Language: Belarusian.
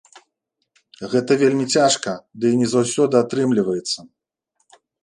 Гэта вельмі цяжка, дый не заўсёды атрымліваецца.